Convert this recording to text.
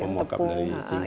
mokaf dari singkong